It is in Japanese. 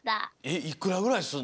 えっいくらぐらいすんの？